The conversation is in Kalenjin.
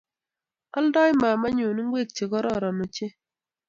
Oldoi mamaenyi ingwek chegororon ochei